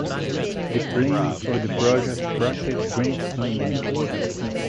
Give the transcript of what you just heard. The planning for the project attracted grant funding.